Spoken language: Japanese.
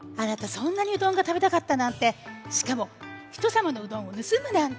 そんなにうどんがたべたかったなんてしかもひとさまのうどんをぬすむなんて！